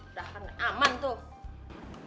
udah kan aman tuh